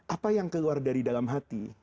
apa yang keluar dari dalam hati